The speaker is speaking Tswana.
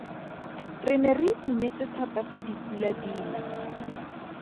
Re ne re itumetse thata fa dipula di na.